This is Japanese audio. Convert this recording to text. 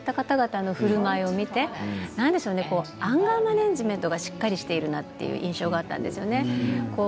そういった方々のふるまいを見て、なんてアンガーマネージメントがしっかりしているなという印象があったんですね。